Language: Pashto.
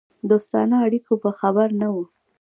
دوستانه اړیکو به خبر نه وو.